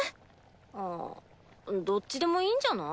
アどっちでもいいんじゃない？